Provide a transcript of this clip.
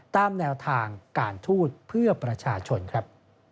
ตามแนวทางการทูตเพื่อประชาชนครับ